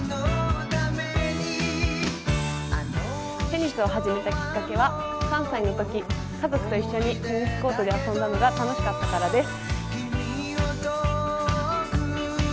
テニスを始めたきっかけは３歳のとき、家族と一緒にテニスコートで遊んだのが楽しかったからです。